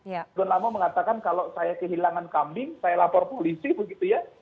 john lama mengatakan kalau saya kehilangan kambing saya lapor polisi begitu ya